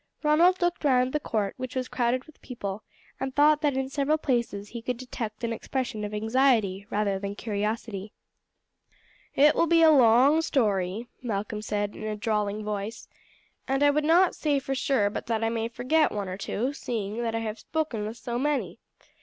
Ronald looked round the court, which was crowded with people, and thought that in several places he could detect an expression of anxiety rather than curiosity. "It will be a long story," Malcolm said in a drawling voice, "and I would not say for sure but that I may forget one or two, seeing that I have spoken with so many.